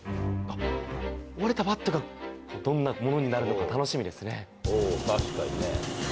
折れたバットが、どんなものになるのか、楽しみですね。